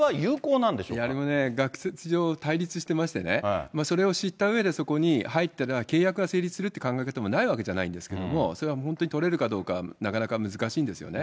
あれもね、学説上対立してましてね、それを知ったうえでそこに入ったら契約が成立するって考え方もないわけじゃないんですけれども、それは本当に取れるかどうか、なかなか難しいですよね。